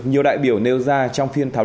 chúng tôi thấy